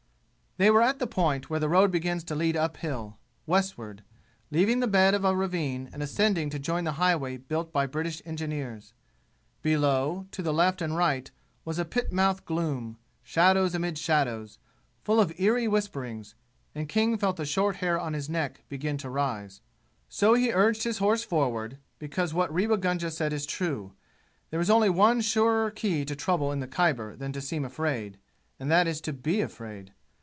They were at the point where the road begins to lead up hill, westward, leaving the bed of a ravine and ascending to join the highway built by British engineers. Below, to left and right, was pit mouth gloom, shadows amid shadows, full of eerie whisperings, and King felt the short hair on his neck begin to rise. So he urged his horse forward, because what Rewa Gunga said is true. There is only one surer key to trouble in the Khyber than to seem afraid and that is to be afraid.